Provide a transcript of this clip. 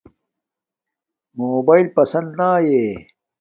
موباݵل پسند ناݵے